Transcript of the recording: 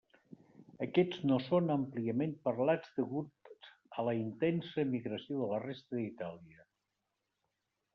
Aquests no són àmpliament parlats degut a la intensa emigració de la resta d'Itàlia.